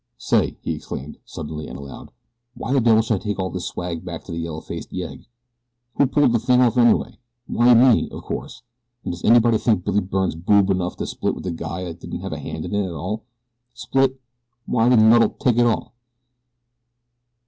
"Say!" he exclaimed suddenly and aloud, "Why the devil should I take all this swag back to that yellow faced yegg? Who pulled this thing off anyway? Why me, of course, and does anybody think Billy Byrne's boob enough to split with a guy that didn't have a hand in it at all. Split! Why the nut'll take it all!